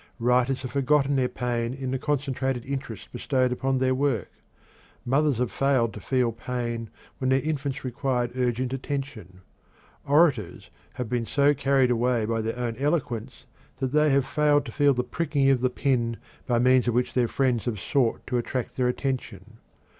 Writers have forgotten their pain in the concentrated interest bestowed upon their work; mothers have failed to feel pain when their infants required urgent attention; orators have been so carried away by their own eloquence that they have failed to feel the pricking of the pin by means of which their friends have sought to attract their attention.